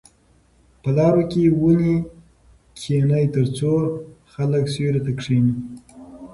په لارو کې ونې کېنئ ترڅو خلک سیوري ته کښېني.